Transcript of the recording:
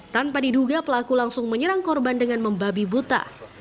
tanpa diduga pelaku langsung menyerang korban dengan membabi buta